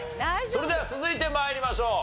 それでは続いて参りましょう。